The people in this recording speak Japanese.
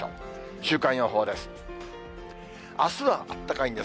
週間予報です。